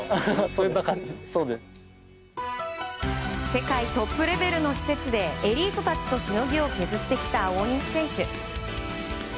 世界トップレベルの施設でエリートたちとしのぎを削ってきた、大西選手。